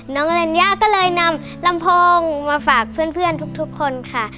น้องอรัญญาก็เลยนำลำโพงมาฝากเพื่อนทุกคนค่ะ